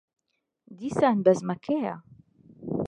دیسان بەزمەکەیە.